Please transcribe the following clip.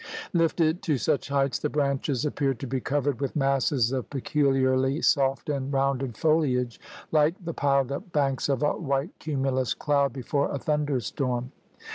Lifted to such heights, the branches appear to be covered with masses of peculiarly soft and rounded foliage like the piled up banks of a white cumulus cloud before a thunderstorm.